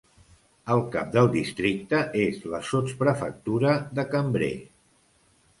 El cap del districte és la sotsprefectura de Cambrai.